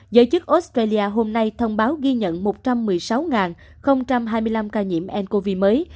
giới chức australia hôm nay thông báo ghi nhận một trăm một mươi sáu hai mươi năm ca nhiễm ncov mới